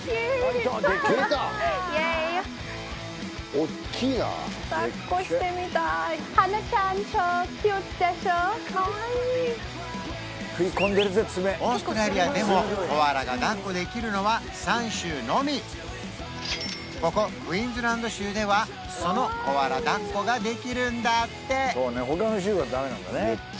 オーストラリアでもここクイーンズランド州ではそのコアラだっこができるんだってそうね他の州はダメなんだね